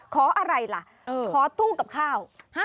ขออะไรล่ะขอตู้กับข้าว